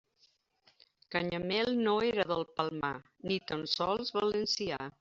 Canyamel no era del Palmar, ni tan sols valencià.